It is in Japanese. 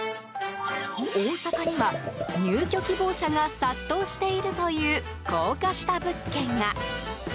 大阪には入居希望者が殺到しているという高架下物件が。